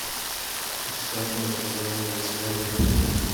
Tusam-d ad teẓrem lesrar n tmurt.